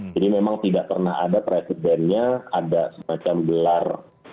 jadi memang tidak pernah ada presidennya ada semacam belar